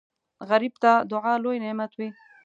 غریب ته دعا لوی نعمت وي